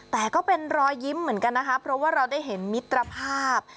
แต่ก็เป็นรอยยิ้มเหมือนกันนะคะเพราะว่าเราได้เห็นมิตรภาพ